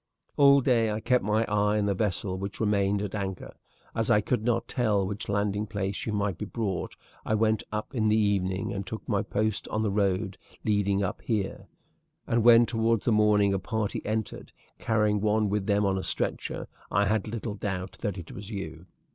All day I kept my eye on the vessel, which remained at anchor. As I could not tell to which landing place you might be brought I went up in the evening and took my post on the road leading up here, and when towards morning a party entered, carrying one with them on a stretcher, I had little doubt that it was you.